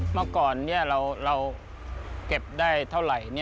เมื่อก่อนเราเก็บได้เท่าไหร่